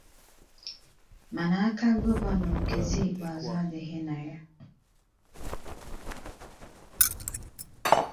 Mana aka gọvanọ Okezie Ikpeazu adịghị na ya.”